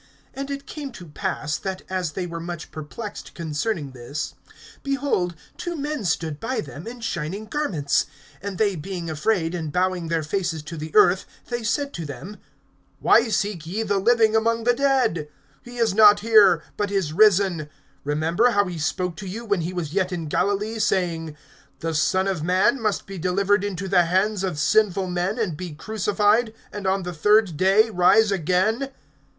(4)And it came to pass, that as they were much perplexed concerning this, behold two men stood by them in shining garments. (5)And they being afraid and bowing their faces to the earth, they said to them: Why seek ye the living among the dead? (6)He is not here, but is risen. Remember how he spoke to you when he was yet in Galilee, (7)saying: The Son of man must be delivered into the hands of sinful men, and be crucified, and on the third day rise again.